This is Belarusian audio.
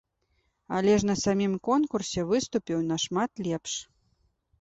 Але ж на самім конкурсе выступіў нашмат лепш.